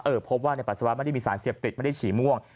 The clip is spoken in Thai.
พบว่าในปัสสาวะไม่ได้มีสารเสพติดไม่ได้ฉี่ม่วง